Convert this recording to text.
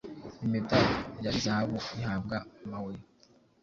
Impeta yari zahabu ihabwa mama we